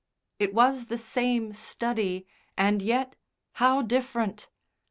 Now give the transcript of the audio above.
It was the same study, and yet how different!